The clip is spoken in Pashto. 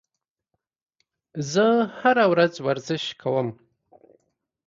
زه هره ورځ ورزش کوم.